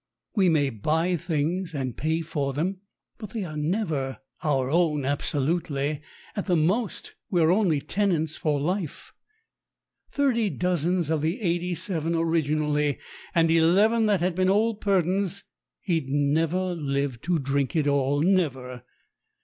We may buy things and pay for them, but they are never our own absolutely; at the most, we are only tenants for life. Thirty dozens of the '87 originally, and eleven that had been old Purdon's he'd never live to drink it all, never.